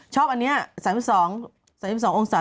ชอบอันนี้๓๒๓๒องศา